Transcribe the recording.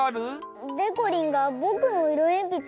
でこりんがぼくのいろえんぴつを